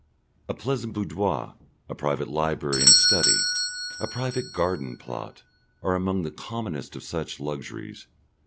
A pleasant boudoir, a private library and study, a private garden plot, are among the commonest of such luxuries.